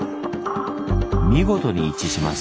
見事に一致します。